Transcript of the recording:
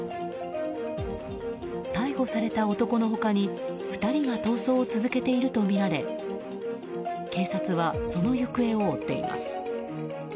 逮捕された男の他に２人が逃走を続けているとみられ警察は、その行方を追っています。